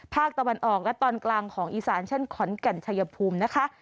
ภาคตะวันออกและตอนกลางของอีสานเช่นขอนแก่นชัยภูมินะคะ